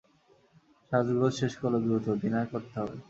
সাজগোজ শেষ করো দ্রুত, ডিনার করতে হবে।